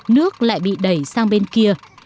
nước lại bị đẩy sang bên kia